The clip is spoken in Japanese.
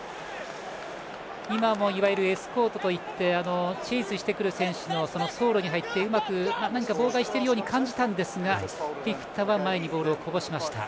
今もいわゆるエスコートといってチェイスしてくる選手の走路に入ってうまく妨害しているように感じたんですがフィフィタは前にボールをこぼしました。